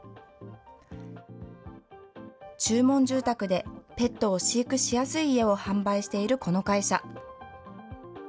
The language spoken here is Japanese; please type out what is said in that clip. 注文住宅で、ペットを飼育しやすい家を販売しているこの会社。